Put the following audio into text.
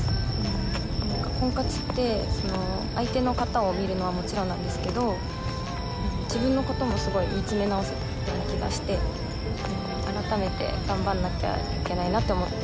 なんか婚活って相手の方を見るのはもちろんなんですけど自分の事もすごい見つめ直せたような気がして改めて頑張んなきゃいけないなって思った。